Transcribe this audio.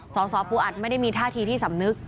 สสปูอัดไม่ได้มีท่าทีที่สำนึก